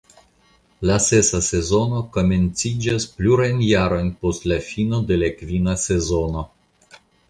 La sesa sezono komenciĝas plurajn jarojn post la fino de la kvina sezono.